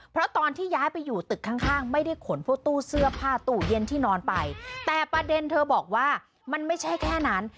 เพราะตอนที่ย้ายไปอยู่ตึกข้างข้างไม่ได้ขนพวกตู้เสื้อผ้าตู้เย็นที่นอนไปแต่ประเด็นเธอบอกว่ามันไม่ใช่แค่นั้น